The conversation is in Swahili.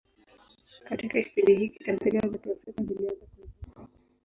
Katika kipindi hiki, tamthilia za Kiafrika zilianza kuibuka.